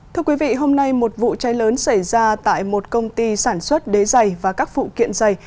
thưa quý vị hôm nay một vụ cháy lớn xảy ra tại một công ty sản xuất đế dày và các phụ kiện dày